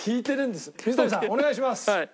お願いします。